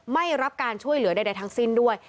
ไม่รับการช่วยเหลือใดทั้งสิ้นด้วย